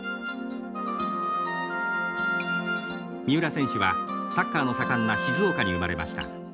三浦選手はサッカーの盛んな静岡に生まれました。